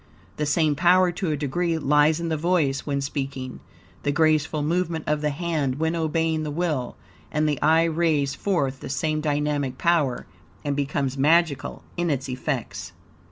The same power, to a degree, lies in the voice when speaking, the graceful movement of the hand when obeying the will, and the eye rays forth the same dynamic power and becomes magical in its effects.